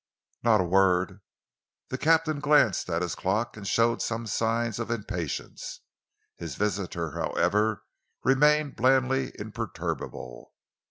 "Not a word." The captain glanced at his clock and showed some signs of impatience. His visitor, however, remained blandly imperturbable.